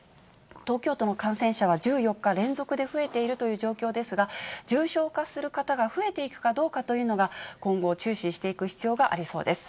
東京都の感染者は１４日連続で増えているという状況ですが、重症化する方が増えていくかどうかというのが、今後、注視していく必要がありそうです。